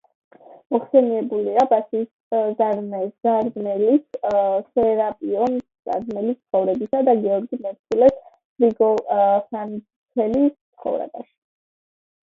მოხსენებულია ბასილი ზარზმელის „სერაპიონ ზარზმელის ცხოვრებასა“ და გიორგი მერჩულეს „გრიგოლ ხანძთელის ცხოვრებაში“.